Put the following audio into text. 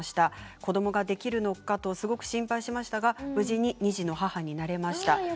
子どもができるのかと心配しましたが無事に２児の母になれました。